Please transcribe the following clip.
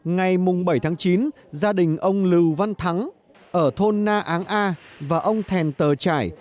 ngày bảy chín gia đình ông lưu văn thắng ở thôn na áng a và ông thèn tờ trải